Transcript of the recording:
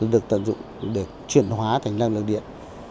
được tận dụng để chuyển hóa thành năng lượng điện một trăm linh